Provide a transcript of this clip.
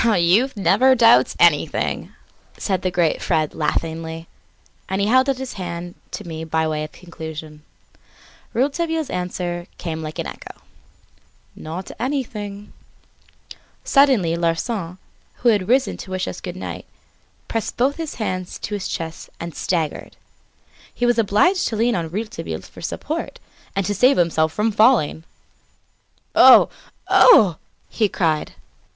"Youth never doubts anything," said the great Fred laughingly, and held out his hand to me by way of conclusion. Rouletabille's answer came like an echo: "Not anything!" Suddenly Larsan, who had risen to wish us goodnight, pressed both his hands to his chest and staggered. He was obliged to lean on Rouletabille for support, and to save himself from falling. "Oh! Oh!" he cried.